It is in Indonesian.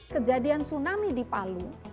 kejadian tsunami di palu